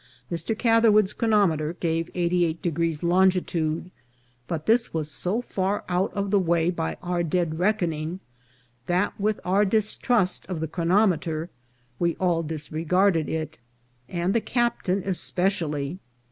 Mr. Catherwood's chronometer gave 88° longitude ; but this was so far out of the way by our dead reckoning, that, with our distrust of the chronome ter, we all disregarded it, and the captain especially.